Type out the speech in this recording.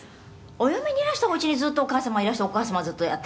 「お嫁にいらしたおうちにずっとお母様がいらしてお母様がずっとやって？」